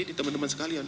di teman teman sekalian